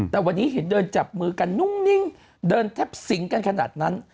แต่วันนี้เห็นเดินจับมือกันนุ่งนิ่งเดินแทบสิงกันขนาดนั้น